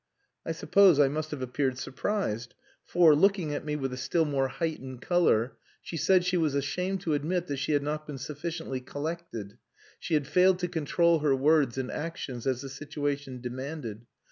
I suppose I must have appeared surprised, for, looking at me with a still more heightened colour, she said she was ashamed to admit that she had not been sufficiently collected; she had failed to control her words and actions as the situation demanded.